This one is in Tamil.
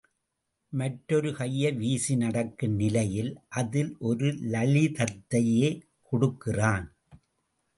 மற்றொரு கையை வீசி நடக்கும் நிலையில் அதில் ஒரு லளிதத்தையே கொடுக்கிறான்.